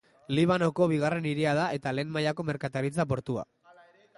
Libanoko bigarren hiria da eta lehen mailako merkataritza portua.